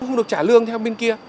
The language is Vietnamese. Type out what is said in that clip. không được trả lương theo bên kia